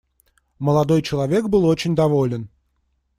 Молодой человек был очень доволен.